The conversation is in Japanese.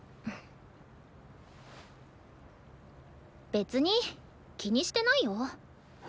別に気にしてないよ。